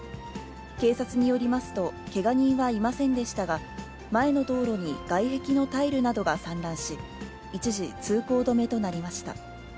警察によりますと、けが人はいませんでしたが、前の道路に外壁のタイルなどが散乱し、一時通行止めとなりました。